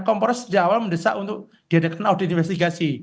kompos sejak awal mendesak untuk diadakan audit investigasi